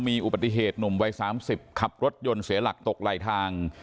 มีอุบัติเหตุหนุ่มวัย๓๐ขับรถยนต์เสียหลักตกไหลทาง